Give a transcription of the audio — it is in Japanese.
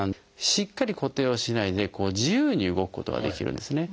しっかり固定をしないで自由に動くことができるんですね。